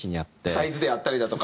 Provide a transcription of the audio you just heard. サイズであったりだとか。